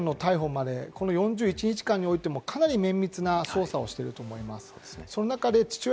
発生から母親の事件の逮捕まで４１日間においてもかなり綿密な捜査をしていると思います。